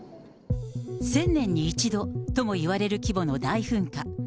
１０００年に１度ともいわれる規模の大噴火。